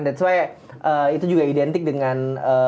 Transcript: that s why itu juga identik dengan